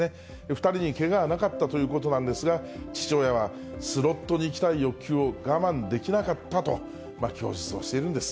２人にけがはなかったということなんですが、父親は、スロットに行きたい欲求を我慢できなかったと供述をしているんです。